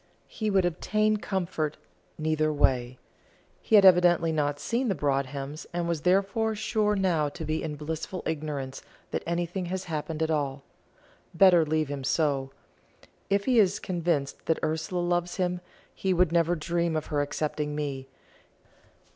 He would obtain comfort neither way. He had evidently not seen the Broadhems, and was therefore sure now to be in blissful ignorance that anything has happened at all. Better leave him so. If he is convinced that Ursula loves him, he would never dream of her accepting me.